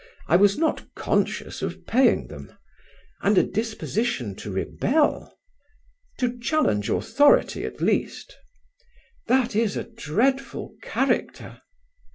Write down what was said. I was not conscious of paying them" "And a disposition to rebel?" "To challenge authority, at least." "That is a dreadful character."